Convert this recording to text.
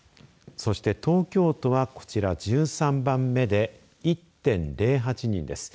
そして、東京都はこちら１３番目で１．０８人です。